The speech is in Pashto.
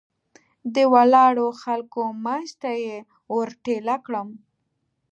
د ولاړو خلکو منځ ته یې ور ټېله کړم.